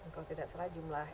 kalau tidak salah jumlah